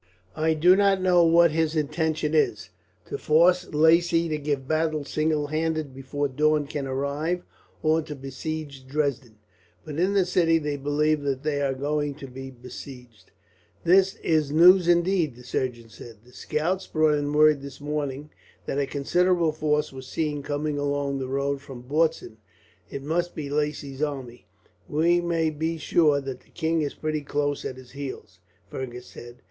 I do not know what his intention is to force Lacy to give battle single handed before Daun can arrive, or to besiege Dresden but in the city they believe that they are going to be besieged." "This is news indeed," the surgeon said. "The scouts brought in word this morning that a considerable force was seen, coming along the road from Bautzen. It must be Lacy's army." "We may be sure that the king is pretty close at his heels," Fergus said.